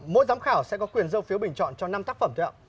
mỗi giám khảo sẽ có quyền dơ phiếu bình chọn cho năm tác phẩm